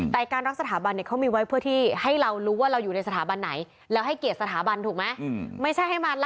แต่การรักสถาบันเนี่ยเขามีไว้เพื่อที่ให้เรารู้ว่าเราอยู่ในสถาบันไหน